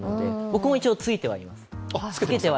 僕も一応ついてはいます。